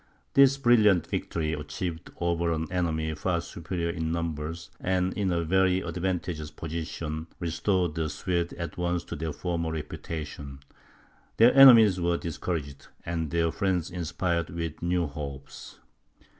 This brilliant victory, achieved over an enemy far superior in numbers, and in a very advantageous position, restored the Swedes at once to their former reputation; their enemies were discouraged, and their friends inspired with new hopes.